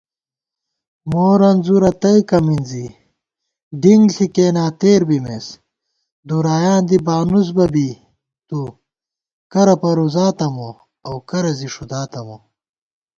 مورنځورہ تئیکہ مِنزی ڈِنگ ݪی کېنا تېر بِمېس * دُرایاں دی بانُوس بہ بی تُوکرہ پروزاتہ مو اؤ کرہ زی ݭُداتہ مو